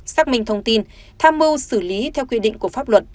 xác minh thông tin tham mưu xử lý theo quy định của pháp luật